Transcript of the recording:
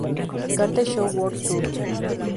Carter Show World Tour".